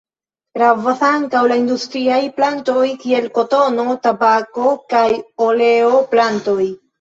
Gravas ankaŭ la industriaj plantoj kiel kotono, tabako kaj oleo-plantoj.